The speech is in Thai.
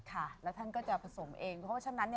ค่ะแล้วท่านก็จะผสมเองเพราะฉะนั้น